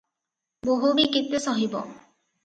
ବୋହୂ ବି କେତେ ସହିବ?